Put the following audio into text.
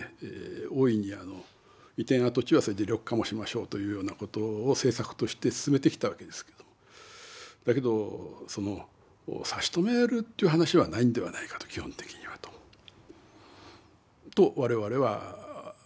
大いに移転跡地は緑化もしましょうというようなことを政策として進めてきたわけですけどだけどその差し止めるという話はないんではないかと基本的にはとと我々は思ったわけです。